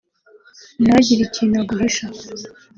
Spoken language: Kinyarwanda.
ntagire ikintu aguhisha